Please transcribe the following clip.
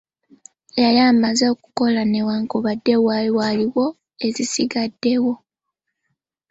Yali amaze okukola newankubadde waali waliyo ezisigaddewo.